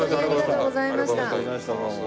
ありがとうございます。